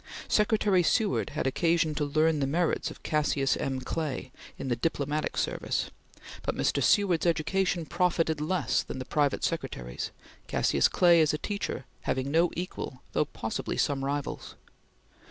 Secretary Seward had occasion to learn the merits of Cassius M. Clay in the diplomatic service, but Mr. Seward's education profited less than the private secretary's, Cassius Clay as a teacher having no equal though possibly some rivals.